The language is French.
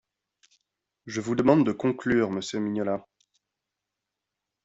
Je vous demande de conclure, monsieur Mignola.